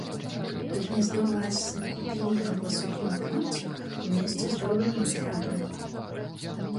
Гняздо ладзіць на купіне або сухім грунце, у месцы з добрым аглядам.